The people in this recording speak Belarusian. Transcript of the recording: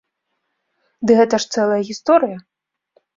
Ды гэта ж цэлая гісторыя.